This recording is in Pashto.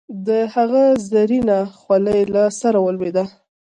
د هغه زرينه خولی له سره ولوېده.